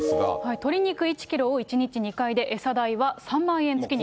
鶏肉１キロを１日２回で、餌代は３万円月にかかる。